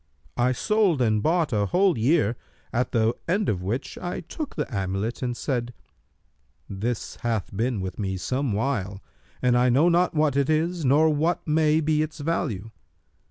I sold and bought a whole year, at the end of which I took the amulet[FN#291] and said, 'This hath been with me some while, and I know not what it is nor what may be its value.'